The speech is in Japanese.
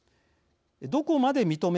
どこまで認め